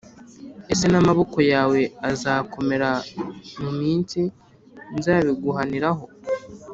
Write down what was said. Ese n’amaboko yawe azakomera mu minsi nzabiguhaniraho?